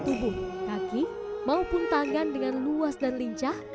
tubuh kaki maupun tangan dengan luas dan lincah